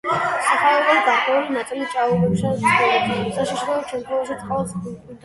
სახეობების გარკვეული ნაწილი ჭაობებში ცხოვრობს, საშიშროების შემთხვევაში წყალში ყვინთავენ.